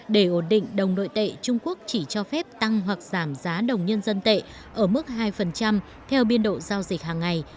để ổn định đồng nội tệ trung quốc chỉ cho phép tăng hoặc giảm giá đồng nhân dân tệ ở mức hai theo biên độ giao dịch hàng ngày